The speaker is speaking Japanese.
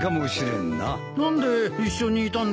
何で一緒にいたんだろう？